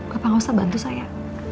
kapan gak usah bantu saya